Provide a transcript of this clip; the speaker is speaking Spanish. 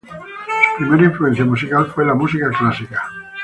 Su primera influencia musical fue la música clásica.